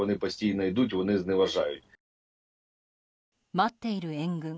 待っている援軍。